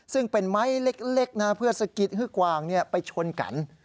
ซึ่งเป็นไม้เล็กเพื่อสะกิดให้กวางไปชนกัน